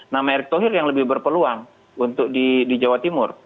nama erick thohir yang lebih berpeluang untuk di jawa timur